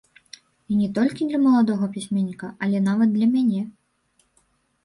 І не толькі для маладога пісьменніка, але нават для мяне.